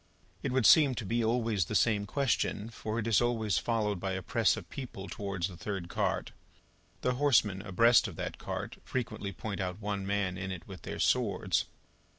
It would seem to be always the same question, for, it is always followed by a press of people towards the third cart. The horsemen abreast of that cart, frequently point out one man in it with their swords.